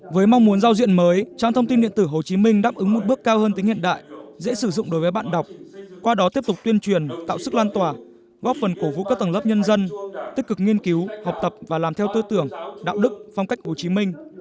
với mong muốn giao diện mới trang thông tin điện tử hồ chí minh đáp ứng một bước cao hơn tính hiện đại dễ sử dụng đối với bạn đọc qua đó tiếp tục tuyên truyền tạo sức lan tỏa góp phần cổ vũ các tầng lớp nhân dân tích cực nghiên cứu học tập và làm theo tư tưởng đạo đức phong cách hồ chí minh